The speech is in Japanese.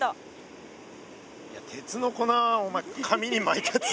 いや鉄の粉お前紙に巻いたやつ